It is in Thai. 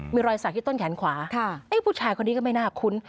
มีรอยสักที่ต้นแขนขวาผู้ชายคนนี้ก็ไม่น่าคุ้น